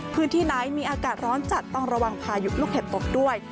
พื้นที่ไหนมีอากาศร้อนจัดต้องระวังพายุลูกเห็บตกด้วย